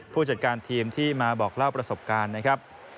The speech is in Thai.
ผู้จัดการทีมที่มาบอกเล่าประสบการณ์นะครับ